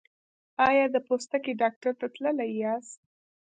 ایا د پوستکي ډاکټر ته تللي یاست؟